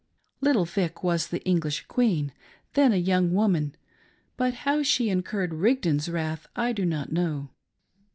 !"" Little Vic." was the English Queen — then a young woman — but how she incurred Rigdon's wrath, I do not know.